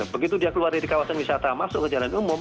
begitu dia keluar dari kawasan wisata masuk ke jalan umum